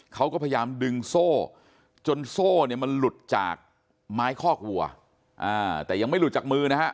เขาก็พยายามดึงโซ่จนโซ่เนี่ยมันหลุดจากไม้คอกวัวแต่ยังไม่หลุดจากมือนะฮะ